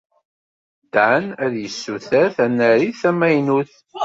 Dan ad yessuter tanarit tamaynut.